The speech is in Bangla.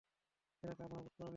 যে রাতে আপনার পুত্র জন্ম নিয়েছিল!